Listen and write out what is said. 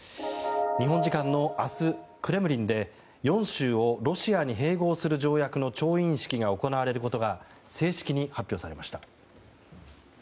日本時間の明日、クレムリンで４州をロシアに併合する条約の調印式が行われることが正式に発表されました。